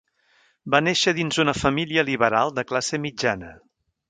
Va néixer dins una família liberal de classe mitjana.